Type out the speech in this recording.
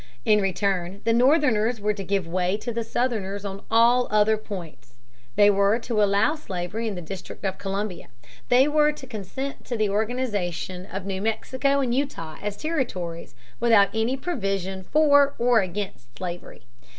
In return, the Northerners were to give way to the Southerners on all other points. They were to allow slavery in the District of Columbia. They were to consent to the organization of New Mexico and Utah as territories without any provision for or against slavery.